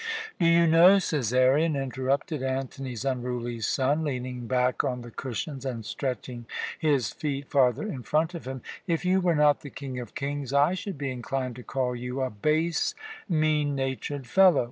"Do you know, Cæsarion," interrupted Antony's unruly son, leaning back on the cushions and stretching his feet farther in front of him, "if you were not the King of kings I should be inclined to call you a base, mean natured fellow!